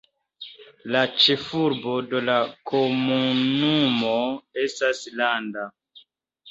La ĉefurbo de la komunumo estas Landa.